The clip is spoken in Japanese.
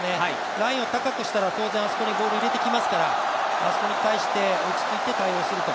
ラインを高くしたら、あそこに当然ボールを入れてきますからあそこに対して落ち着いて対応する。